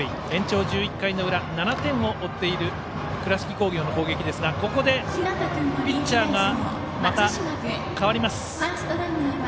延長１１回の裏７点を追っている倉敷工業の攻撃ですがここでピッチャーが代わります。